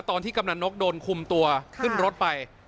ตอนที่กำหนันนกโดนคุมตัวขึ้นรถไป